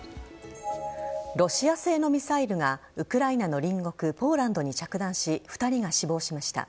ロシア製のミサイルがウクライナの隣国ポーランドに着弾し２人が死亡しました。